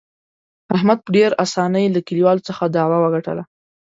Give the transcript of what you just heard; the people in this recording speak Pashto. احمد په ډېر اسانۍ له کلیوالو څخه دعوه وګټله.